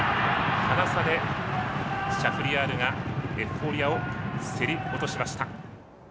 ハナ差でシャフリヤールがエフフォーリアを競り落としました。